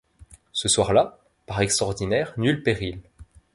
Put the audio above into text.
Ce soir-là, par extraordinaire, nul péril.